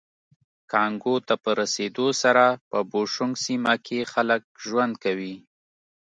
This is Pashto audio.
کانګو ته په رسېدو سره په بوشونګ سیمه کې خلک ژوند کوي